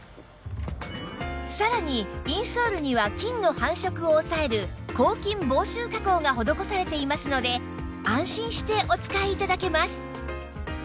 さらにインソールには菌の繁殖を抑える抗菌防臭加工が施されていますので安心してお使い頂けます